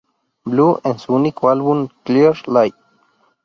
Blue" en su único álbum "Clear Light".